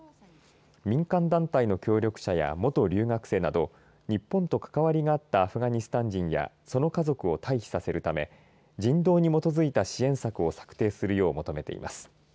民間団体の協力者や元留学生など日本と関わりがあったアフガニスタン人やその家族を退避させるため人道に基づいた支援策を策定するよう求めています。